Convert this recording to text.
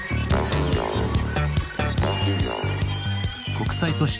国際都市